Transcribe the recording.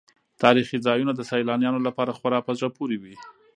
تاریخي ځایونه د سیلانیانو لپاره خورا په زړه پورې وي.